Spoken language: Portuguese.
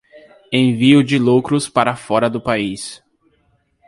envio de lucros para fora do país